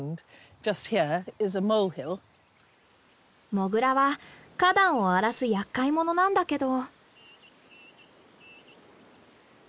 モグラは花壇を荒らすやっかい者なんだけど。